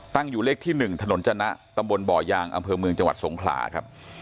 ตั้งอยู่เลขที่๑ถนนจนะตำบลบ่อยางอำเภอเมืองจังหวัดสงขลาครับ